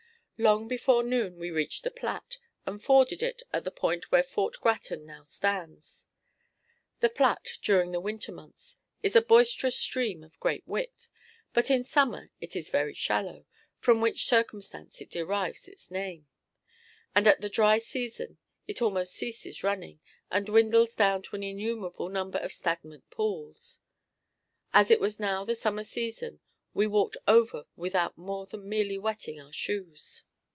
Long before noon we reached the Platte, and forded it at the point where Fort Grattan now stands. The Platte, during the winter months, is a boisterous stream of great width, but in summer it is very shallow (from which circumstance it derives its name), and at the dry season it almost ceases running, and dwindles down to an innumerable number of stagnant pools. As it was now the summer season, we walked over without more than merely wetting our shoes.